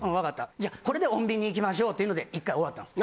じゃあこれで穏便にいきましょうっていうので１回終わったんです。